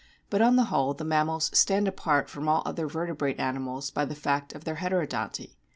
But on the whole the mammals stand apart from all other vertebrate animals by the fact of their Heterodonty.